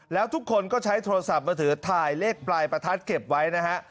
แล้วทุกคนก็ใช้โทรศัพท์มือถือถ่ายเลขปลายประทัดเก็บไว้นะฮะ